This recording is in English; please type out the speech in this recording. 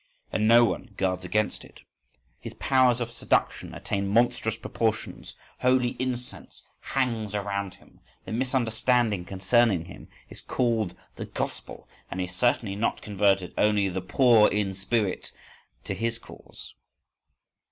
And no one guards against it. His powers of seduction attain monstrous proportions, holy incense hangs around him, the misunderstanding concerning him is called the Gospel,—and he has certainly not converted only the poor in spirit to his cause!